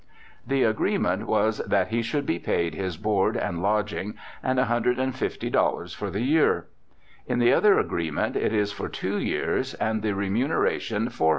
The agreement was that he should be paid his board and lodging and S150 for the year. In the other agree ment it is for two years, and the remuneration 5^400.